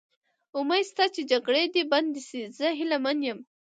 امید شته چې جګړه دې بنده شي، زه هیله من یم.